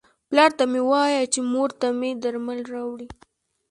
پلار ته مې وایه چې مور ته مې درمل راوړي.